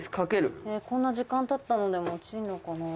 こんな時間たったのでも落ちるのかな？